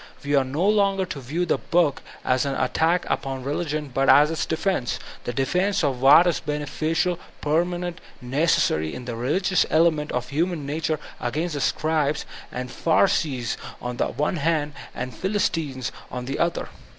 We are no longer to view the book as an attack upon re ligion but as its defense, — the defense of what is bene ficial, permanent, necessary, in the religious element of Iranian nature against the scribes and pharisees on the one hand and the philbtines on the other.